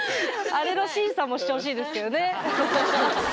あれの審査もしてほしいですけどね。